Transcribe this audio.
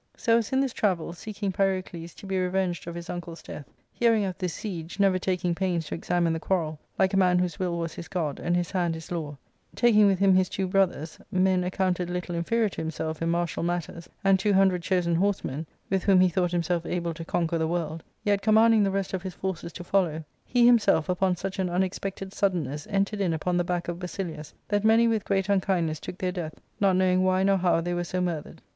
So as in this travel, seeking Pyrocles to be revenged of his uncle's death, hearing of this siege, never taking pains to examine the quarrel, like a man whose will was his God, and his hand his law, taking with him his two brothers, men accounted little inferior to hin\self in martial matters, and two hundred chosen horsemen, with whom he thought himself able to conquer the world, yet commanding the rest of his forces to follow, he himself upon such an unexpected suddenness entered in upon the back of Basilius, that many with great unkindness took their death, not knowing why nor how they were so murthered.